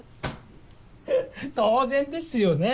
当然ですよね